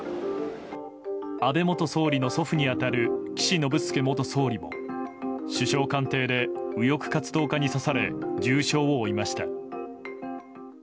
安倍元総理の祖父に当たる岸信介元総理も首相官邸で右翼活動家に刺され重傷を負いました。